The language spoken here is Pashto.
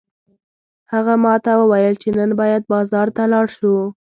هغه ماته وویل چې نن باید بازار ته لاړ شو